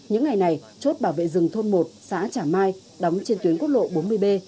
những ngày này chốt bảo vệ rừng thôn một xã trà mai đóng trên tuyến quốc lộ bốn mươi b